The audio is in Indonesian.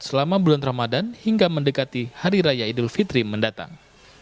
selama bulan ramadan hingga mendekati hari raya idul fitri mendatang